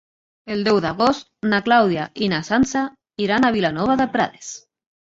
El deu d'agost na Clàudia i na Sança iran a Vilanova de Prades.